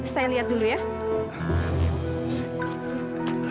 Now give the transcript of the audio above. saya lihat dulu ya